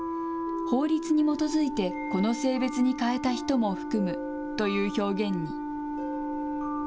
法律に基づいてこの性別に変えた人も含むという表現に。